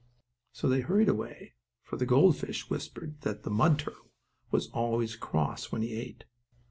So they hurried away, for the gold fish whispered that the mud turtle was always cross when he ate.